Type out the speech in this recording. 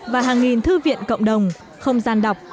và hàng nghìn thư viện cộng đồng không gian đọc